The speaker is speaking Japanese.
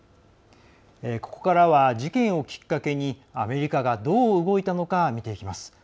ここからは事件をきっかけにアメリカが、どう動いたのか見ていきます。